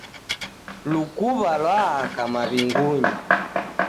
Lukuw'a lwaaka maw'ingunyi